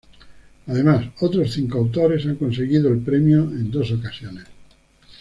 Además otros cinco autores han conseguido el premio en dos ocasiones.